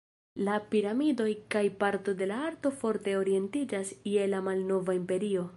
La piramidoj kaj parto de la arto forte orientiĝas je la Malnova Imperio.